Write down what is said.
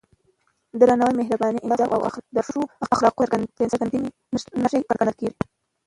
درناوی، مهرباني، انصاف او صداقت د ښو اخلاقو څرګندې نښې ګڼل کېږي.